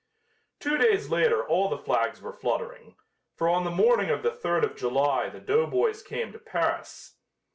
Two days later all the flags were fluttering, for on the morning of the third of July the doughboys came to Paris.